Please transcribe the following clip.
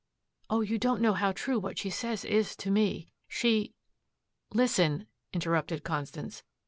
"Oh, you don't know how true what she says is to me. She " "Listen," interrupted Constance.